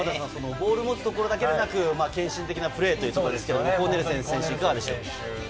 ボールを持つところだけではなく、献身的なプレーというところですね、コーネルセン選手、いかがですか？